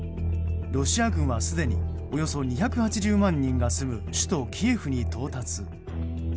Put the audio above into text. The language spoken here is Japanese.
ロシア軍はすでにおよそ２８０万人が住む首都キエフに到達。